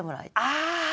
ああ！